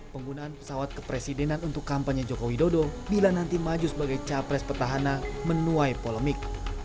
penggunaan pesawat kepresidenan untuk kampanye joko widodo bila nanti maju sebagai capres petahana menuai polemik